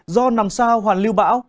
do nằm xa hoàn lưu bão